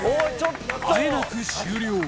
あえなく終了